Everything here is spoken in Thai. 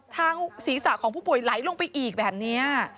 ศีรษะของผู้ป่วยไหลลงไปอีกแบบนี้